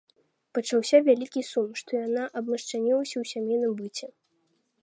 Пачаўся вялікі сум, што яна абмяшчанілася ў сямейным быце.